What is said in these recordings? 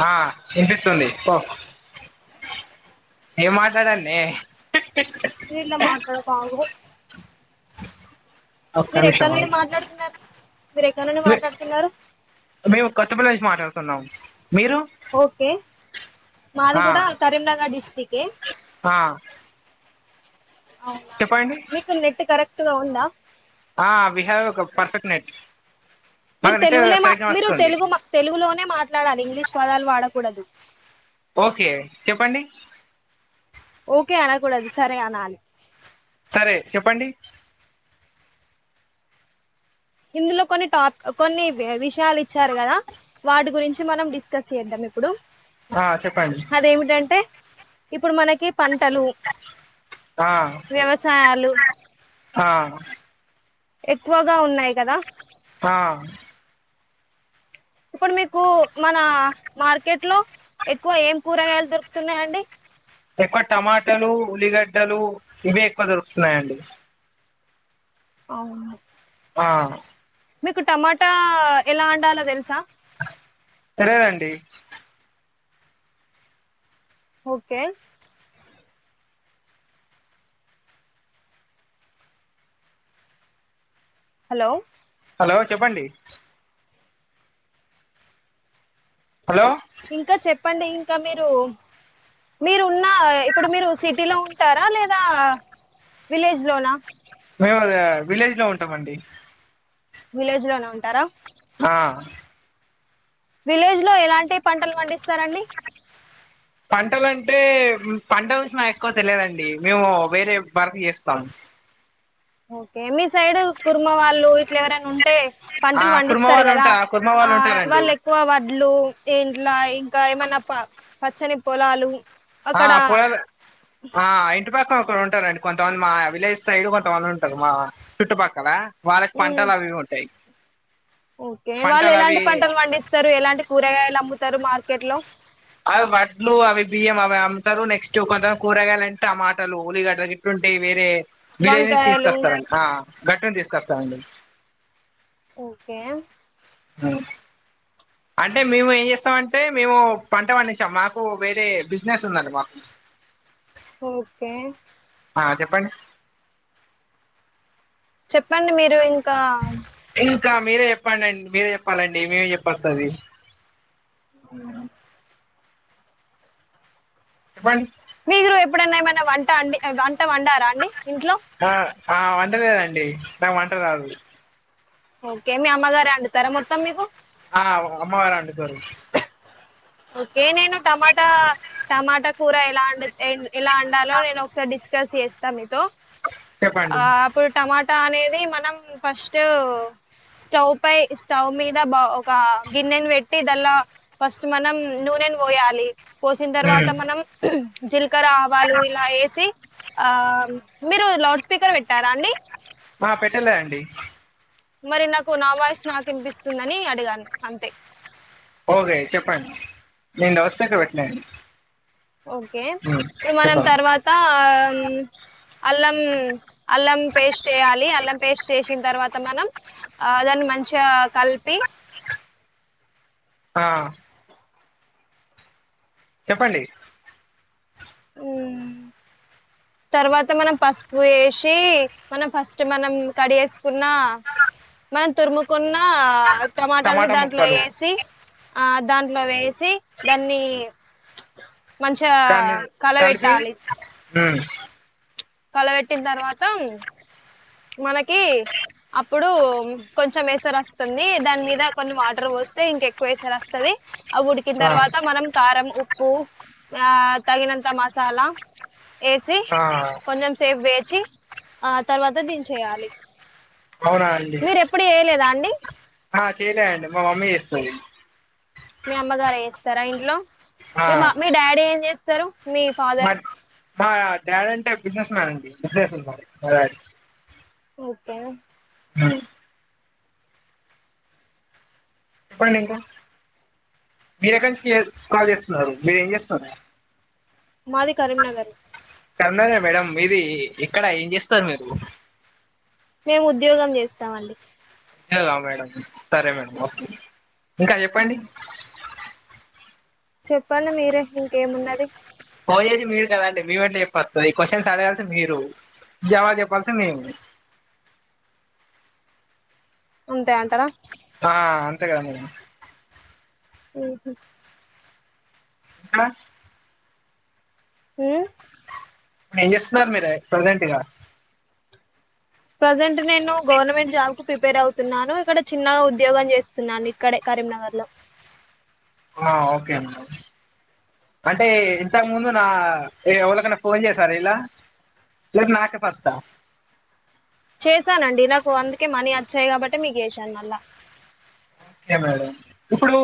హా ఇనిపిస్తుంది ఓ ఏం మాట్లాడాలనే. నేనే మాట్లాడతా ఆగు [inaudible] మీరు ఎక్కడ నిమిషం నుండి మాట్లాడుతున్నారు మీర ఎక్క నుండి మాట్లాడుతున్నారు సిమ్ లోంచి మాట్లాడుతున్నాం మీరు ఓకే మాది ఆ కూడా కరీంనగర్ డిస్టిక్ ఏ ఆ చెప్పండి మీకు నెట్ కరెక్ట్ అట్టుగా ఉందా ఆ we have a perfect net మీరు మాకు నెట్ తెలుగులే సరిగ్గా మీరు వస్తుంది తెలుగు తెలుగులోనే మాట్లాడాలి ఇంగ్లీష్ పదాలు వాడకూడదు ఓకే చెప్పండి ఓకే అనకూడదు సరే అనాలి సరే చెప్పండి ఇందులో కొన్ని టాప్ కొన్ని వె విషయాలు ఇచ్చారు కదా వాటి గురించి మనం డిస్కస్ చేద్దాం ఇప్పుడు ఆ చెప్పండి అదేమిటంటే ఇప్పుడు మనకి పంటలు ఆ వ్యవసాయాలు ఆ ఎక్కువగా ఉన్నాయి కదా ఆ ఇప్పుడు మీకు మన మార్కెట్ లో ఎక్కువ ఏం కూరగాయలు దొరుకుతున్నాయండి ఎక్కువ టమాటాలు ఉల్లిగడ్డలు ఇవే ఎక్కువ దొరుకుతున్నాయండి అవునా ఆ మీకు టమాటా ఎలా వండాలో తెలుసా తెలవదండి ఓకే హలో హలో చెప్పండి హలో ఇంకా చెప్ చెప్పండి ఇంకా మీరు మీరున్న ఇప్పుడు మీరు సిటీలో ఉంటారా లేదా విలేజ్ లోనా మేము విలేజ్ లో ఉంటామండి విలేజ్ లోనే ఉంటారా ఆ విలేజ్ లో ఎలాంటి పంటలు పండిస్తారండి పంటలంటే పంటల విషయం నాకు ఎక్కువ తెలియదండి మేము వేరే వర్క్ చేస్తాము ఓకే మీ సైడ్ కుర్మ వాళ్ళు ఇట్ల ఎవరైనా ఉంటే ఆ పంటలు కుర్మ పండిస్తారు వాళ్ళు కదా ఉంటా కుర్మ ఆ వాళ్ళు ఉంటారండి వాళ్ళు ఎక్కువ వడ్లు ఇంట్లా ఇంకా ఏమన్నా ప పచ్చని పొలాలు ఆ అక్కడ పొ ఆ ఇంటి పక్క ఇక్క ఉంటారండి కొంతమంది మా విలేజ్ సైడ్ కొంతమంది ఉంటరు మా చుట్టుపక్కల వాళ్ళకి ఉ పంటలు అవి ఉంటాయి ఓకే వాళ్ళు పంటలు అవి ఎలాంటి పంటలు పండిస్తారు ఎలాంటి కూరగాయలు అమ్ము తారు మార్కెట్ లో అవి వడ్లు అవి బియ్యం అవి అమ్ముతారు నెక్స్ట్ కొంత మంది కూరగాయలంటే టమాటలు ఊలిగడ్డలు గిట్టుంటయి వేరే విలేజ్ నుండి వంకాయలు తీసుకొస్తారండి గట్టిను తీసుకొస్తామండి ఓకే ఆ అంటే మేము ఏం చేస్తాం అంటే మేము పంట పండించం మాకు వేరే బిజినెస్ ఉందండి మాకు ఓకే ఆ చెప్పండి చెప్పండి మీరు ఇంకా ఇంకా మీరే చెప్పండి మీరే చెప్పాలండి మేమే చెప్పస్తది ఆ ఫన్ మీరు ఎప్పుడన్నా ఏమన్నా వంట అండి వంట వంట వంటారా అండి ఇంట్లో ఆ ఆ వండలేదండి నాకు వంట రాదు ఓకే మీ అమ్మగారు వండుతారా మొత్తం మీకు ఆ అమ్మవారా అండి తర ఓకే నేను టమాటా టమాటా కూర ఎలా అండితే ఎలా అండాలో నేను ఒక్కసారి డిస్క్ స్కస్ చేస్తా మీతో ఆ చెప్పండి అప్పుడు టమాట టా అనేది మనం ఫస్ట్ స్టవ్ పై స్టవ్ మీద బ ఒక గిన్నెను పెట్టి దల్లా ఫస్ మనం నూనెను పోయాలి పోసిన తర్వాత మనం మ్మ్ జీలకర్ర ఆవాలు ఇలా వేసి ఆ మీరు లౌడ్ స్పీకర్ పెట్టారా అండి ఆ పెట్టలే అండి మరి నాకు నా వాయిస్ నాకు వినిపిస్తుందని అడిగాను అంతే ఓగే చెప్పండి నేను లౌడ్ స్పీకర్ పెట్టలేదండి ఓకే ఇప్పుడు మనం తర్వాత ఆమ్ అల్లం అల్లం పేస్ట్ వేయాలి అల్లం పేస్ట్ చేసిన తర్వాత మనం ఆ దాన్ని మంచిగా కలిపి ఆ చెప్పండి తర్వాత మనం పసుపు వేసి మనం ఫస్ట్ మనం కడి వేసుకున్నా మనం తురుముకున్ నా టమోటాలని టమాటా దానిలో ముక్కలు వేసి ఆ దాంట్లో వేసి దాన్ని మంచిగా కల పెట్టాలి హా కలపేట్టిన తర్వాత మనకి అప్పుడు కొంచెం ఎసరు వస్తుంది దాని మీద కొన్ని వాటర్ పోస్తే ఇంకా ఎక్కువ ఎసరు వస్తది అవ్వు ఉడికిన ఆ తర్వాత మనం కారం ఉప్పు ఆ తగినంత మసాలా ఏసి ఆ కొంచెం సేఫ్ వే చి ఆ తర్వాత ద దించేయాలి అవునా అండి మీరు ఎప్పుడు యైలేద అ అండి ఆ చేయలే అండి మా మమ్మీ చేస్తది మీ అమ్మగారు ఎస్తర ఇంట్లో ఆ మీ మ మీ డాడీ ఏం చేస్తార్ సరు మీ మా ఫదర్ మా డాడీ అంటే బిజినెస్ మ్యాన్ అండి హాహా ఓకే హ చెప్పడండి ఇంక మీరు ఎక్కడి నుంచి కాల్ చేస్తున్నారు మీర ఏం చేస్తున్నారు మాది కరీంనగర్ కన్ననే మేడం మీది ఎక్కడ ఏం చేస్తరు మీరు మేము ఉద్యోగం చేస్తామండి అలా మేడమ్ సరే మేడమ్ ఒకే ఇంకా జెప్పండి చెప్పండి మీరే ఇంకేమున్నది పోయేసి మీరు కదండి మీ వెంటే చెప్పస్తు ఈ క్వశ్చన్స్ అడగాల్సి మీరు జవాబు చెప్పాల్సి మేము ఉంటాయి అంటర ఆ అంతే కదము ఉమ్మ్ ఆ హమ్ ఏం చేస్తున్నార్ మీరే ప్రెసెంట్ గ ప్రజెంట్ నేను గవర్నమెంట్ జాబ్ కు ప్రిపేర్ అవుతున్నాను ఇక్కడ చిన్న ఉద్యోగం చేస్తున్నాను ఇక్కడే కరీంనగర్ లో ఒ ఒకే ఆన్ ఒకే అంటే ఇంతకు ముందు నా ఏ ఎవళకన్నా ఫోన్ చేసారా ఇలా లేక నాకే ఫస్ట్ ఆ చేశానండి నాకు అందుకే మనీ వచ్చాయి కాబట్టే మీకు చేసాను మళ్ళా ఒకే మేడం ఇప్పుడు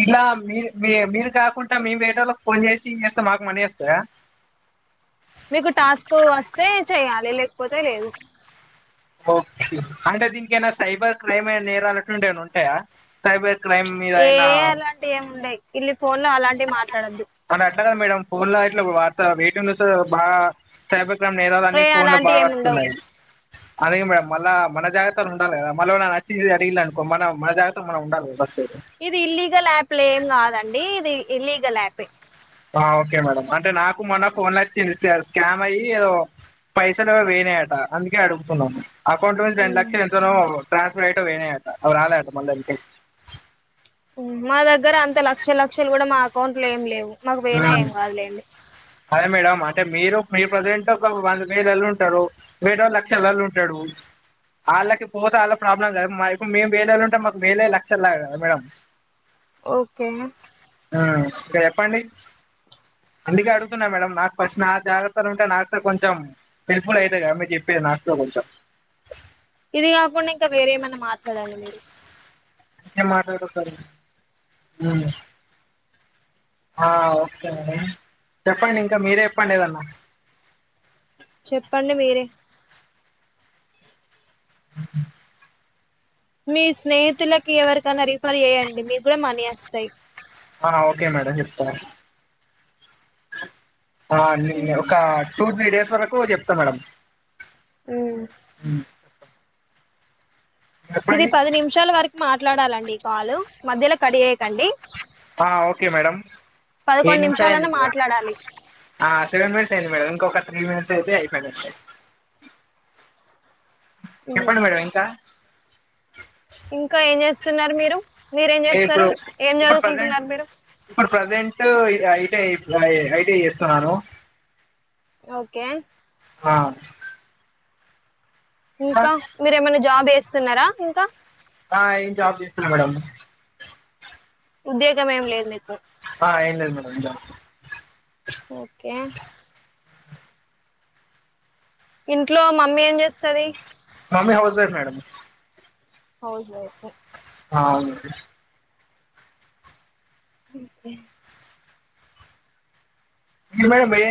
ఇలా మీ మీ మీరు కాకుంట మే వేరేలో ఫోన్ చేసి చేస్తే మాకు మనీ వస్తాయ మీకు టాస్క్ వస్తే చెయ్యాలి లేకపోతే లేదు ఒకే అంటే దీనికేనా సైబర్ క్రైమ్ అ నేరాలటుంటే ఏమనా ఉంటాయా సైబర్ ప్చ్ క్రైమ్ మీద ఏ అయినా అలాంటివి ఏమి ఉండయి ఇల్ ఫోన్ లో అలాంటి మాట్లాడద్దు అంట మేడమ్ ఫోన్ లో అట్లా ఇ వత వయిట్ బాగా స నేరాలని ఏ ఫోన్ లో బా అలాంటి ఏమి ఉండవు వస్తున్నాయి అరే మేడం మళ్ళ మన జాగత్త ఉండాలి కదా మళ నచ్చిది అడిగి అనుకో మన మన జాగత్త మనం ఉండాలి గద ఫెస్ట్ ఇది ఇల్లీగల్ యాప్ లో ఏం కాదండి ఇది ఇల్లీగల్ ఆపే ఆ ఓకే మేడం అంటే నాకు మొన్న ఫోన్ వచ్చి స్కామ్ అయ్యి ఏదో పైసలువో పోయాయట అందుకే అడుగుతున్నాను అకౌంట్ నుంచి రెడ్ల లక్ష ఎంతనో ట్రాన్స్ఫర్ అయిట పోయినాయట అవి రాలేదు అంటా మళ్ళీ మా దగ్గర అంత లక్ష లక్షలు కూడా మా అకౌంట్ లో ఏమి లేవు మాకు పోయిన ఉమ్. ఏం కాదులేండి అదే మేడం అంటే మీరు మీరు ప్రజెంట్ ఒక వంద వేలళ్ళు ఉంటారు మిగితా వాళ్ళు లక్షలళ్ళు ఉంటాడు వాళ్ళకి పోతే వాళ్ళ ప్రాబ్లమ్ కద మా ఇప్పుడు మేము వేలలో ఉంటే మాకు వేలే లక్షలగా కదా మేడం ఓకే ఆ [unintelligible] చెప్పండి అందుకే అడుతోన్న మేడం నాకు ఫస్ట్ నా జాగ్రత్తలు ఉంటే నాకు సార్ కొంచెం హెల్ప్ఫుల్ అవుతుంది కదా మీరు చెప్పేది నాక్కూడ కొంచెం ఇది కాకుండా ఇంకా వేరే ఏమైనా మాట్లాడండి మీరు ఎం మాట్లాడదుఆ ఆ ఒకే మేడం చెప్పండి ఇంక మీరే చెప్పండి ఏదన్నా చెప్పండి మీరే ఉ మీ స్నేహితులకి ఎవరికైనా రిఫర్ చేయ్యండి మీకు కూడా మనీ వస్తాయి ఆ ఓకే మేడం చెప్తా ఆ నేను ఒక టూ త్రీ డేస్ వరకు చెప్తా మేడం హ్మ్ ఇది చెప్పండి పది నిమిషాల వరకు మాట్లాడాలండి ఈ కాలు మధ్యలో కడ్ చేయకండి ఆ ఓకే మేడం ఏ పదకొండు నిమిషాలు నిమిషాలన్నా అయిందిగా మాట్లాడాలి సెవెన్ మినిట్స్ అయింది మేడం ఇంకొక త్రి మినిట్స్ అయితే అయిపోయినటే చెప్పండి మేడం ఇంకా ఇంకా ఏం చేస్తున్నారు మీరు మీరేం చేస్తారు ఇప్పుడు ఏం ఇప్పుడు ప్రసెంట్ చదువుకుంటున్నారు మీరు ఇప్పుడు ప్రసెంట్ ఐ ఇప్పుడు ఐటి చేస్తున్నాను ఓకే ఆ ఇంకా మీరు ఏమైనా జాబ్ చేస్తున్నారా ఇంకా ఆ ఏం జాబ్ చేస్తున్న మేడం ఉద్యోగం ఏమి లేదు మీకు ఆ ఏం లేదు మేడం ఇంగ ఓకే ఇంట్లో మమ్మీ ఏం చేస్తది mummy housewife madam housewife ఆ అవునండి ఓకే ఇ మేడ ఏ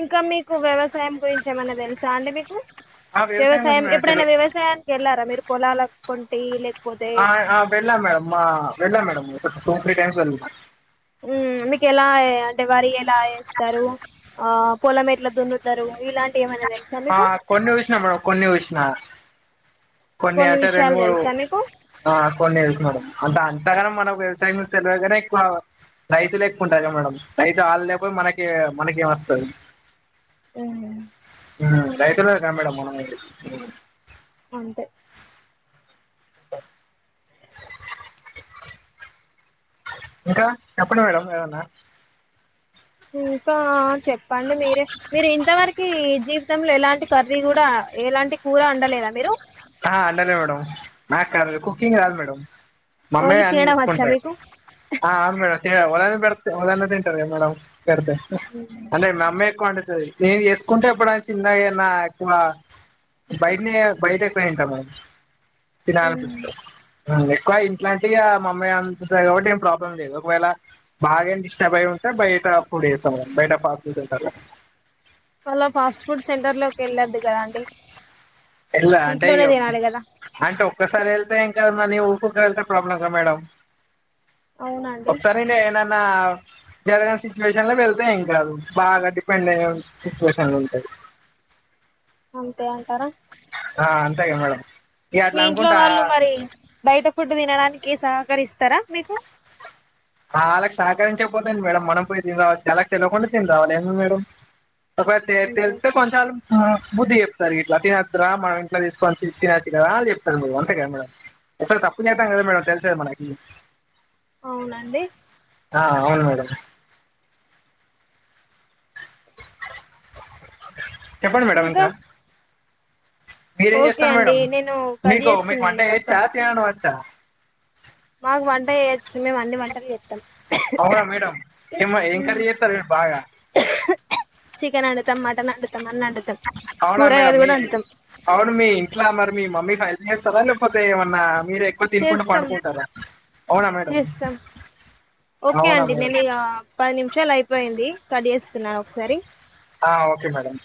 ఇంకా మీకు వ్యవసాయం గురించి ఏమైన్నా తెలుసా అంటే మీకు ఆ వ్యవసాయం గురించి మేడం తెలు ఎప్పుడైనా వ్యవసాయానికి వెళ్ళారా మీరు పొలాలకు కొంటీ లే ఆ వెళ్ళాం మేడమ్ వెళ్ళాం మేడం టు త్రీ టైమ్స్ వెల్ల మీకు ఎలా అంటే వరి ఎలా వేస్తారు ఆ పొలం ఎట్లా దున్నుతారు ఇలాంటి ఏమన్నా తెల్సా ఆ కొన్ని వుసిన మేడం కొన్ని వుసిన కొన్ని అంటే రెండు విషయాలు మూడు తెలుసా మీకు ఆ కొన్ని [unintelligible] దాని అంతగానం మనకు వ్యవసాయం గురించి తెలవదుగాని ఎక్కువ రైతు లేకుంటాది క మేడం రైతు వాళ్ళు లేకపోయి మనకి మనకి ఏం వస్తది ఏం ఉన్ హ్మ్ రైతుల కా మేడం మనం అంటే ఇంకా చెప్పండి మేడం ఏమన్నా ఉ ఆ చెప్పండి మీరే మీరు ఇంతవరకు జీ మొత్తంలో ఎలాంటి కర్రీ కూడా ఎలాంటి కూర అండలేదా మీరు ఆ అండలే మేడం నాకు కుకింగ్ రాదు మేడం ఓన్లీ మమ్మయి అని తినడం వచ్చా చూసుకుంటాయి మీకు ఆ ఆేడ ఉదాన్ బడత ఉదహన్న తింటార మేడడం ద అదే మమ్మ ఎ కొండ నేను చేసుకుంటే ఎప్పుడ చిన్నగా ఏన్నా ఎక్కు బయటనే బయట ఎక్కువ తింట మేడం తిన అనిపిస్తే ఎక్కువ ఇంట్లా అంటే ఇగ మమ్మీ అందుతుంది కాబట్టి ఏం ప్రాబ్లం లేదు ఒకవేళ బాగెం డిస్టర్బ్ అయి ఉంటే బయట ఫుడ్ తెస్తా బయట పార్సిల్ అలా ఫాస్ట్ ఫుడ్ సెంటర్ లోకి వెళ్ళొద్దు కదా అండి ఎలా అంటే ఇంట్లోనే తినాలి కదా అంటే ఒక్కసారి వెళ్తే ఇంకా ఊకె ఊకె వెళ్తే ప్రాబ్లమ్ కదా మేడం అవునండి ఒకసారి నేనూ జరిగిన సిచ్యువేషన్ లో వెళతేా ఏం కాదు బాగా డిపెండ్ అయ్యన సిచ్యువేషన్ లో ఉంటాయి అంతే అంటారా ఆ అంతెగా మేడం ఇగ అట్లా మీ ఇంట్లో అనుకుంటా వాళ్ళు మరి బయట ఫుడ్ తినడానికి కే సహకరిస్తారా మీకు అలాళకి సహకరించే పోతుంది మేడం మనం పోయి తని రావచ్చి అలాకి తెలియకుండా తిని రావాలి ఏమి మేడం ఒకవేళ అంతే తెలిస్తే కొంచం ఆలు ఆ బుద్ధి చెప్తరు ఇట్లా తినొద్రా మనం ఇంట్లో తీసుకొనిచ్చు తినొచ్చు కదా అ చెప్తారు. మ అంతే కద మేడం అసలు తప్పు చేస్తే నే కద మేడం తెలిసేది మనకి అవునండి ఆ అవును మేడం చెప్పండి మేడం ఇంక ఇంకా మీరేం ఓకే చేస్తారు అండి మేడం నేను కట్ మీకు మీకు వంట చేస్తున్నాను ఇక అక్క చేయచ్చా తినడంవచ్చా? మాకు వంట చేయొచ్చు మేము అన్ని వంటలు చేత్తం అవునా మేడమ్ ఏ ఏం కర్రీ చేస్తారు బాగా చికెన్ అండుతం మట్టన్ అండుతం అవునా మేడం మీ అవును మీ ఇంట్లా మరి మీ మమ్మీ ఫైల్ న సరలుపోతే ఏమన్నా మీరే ఎక్కువ తినకుండా చేస్తాం పండుకుంటారా అవునా మేడం చేస్తాం ఓకే అవునా అండి మేడం నేను ఇక పది నిమిషాలు అయిపోయింది కడ్ చేస్తున్నా ఒకసారి ఆ ఓకే మేడం